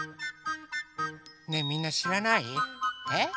ねえみんなしらない？え？